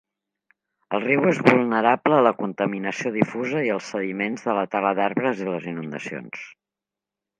El riu és vulnerable a la contaminació difusa i als sediments de la tala d'arbres i les inundacions.